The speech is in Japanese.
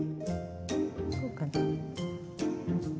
こうかな？